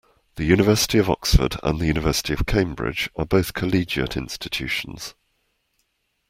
The University of Oxford and the University of Cambridge are both collegiate institutions